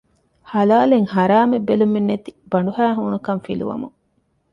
ޙަލާލެއް ޙަރާމެއް ބެލުމެއްނެތި ބަނޑުހައި ހޫނުކަން ފިލުވަމުން